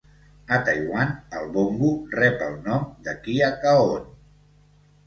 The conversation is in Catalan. A Taiwan, el Bongo rep el nom de "Kia Kaon".